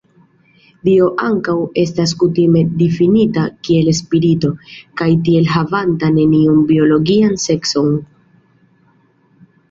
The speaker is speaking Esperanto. Dio ankaŭ estas kutime difinita kiel spirito, kaj tiel havanta neniun biologian sekson.